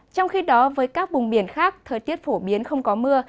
trong khi đó với các vùng biển khác thời tiết phổ biến không có mưa